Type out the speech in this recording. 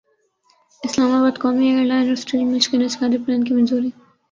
اسلام باد قومی ایئرلائن اور اسٹیل ملزکے نجکاری پلان کی منظوری